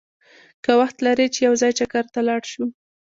که وخت لرې چې یو ځای چکر ته لاړ شو!